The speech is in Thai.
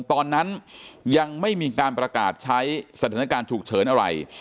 ตอนนั้นยังไม่มีการประกาศใช้สถานการณ์ฉุกเฉินอะไร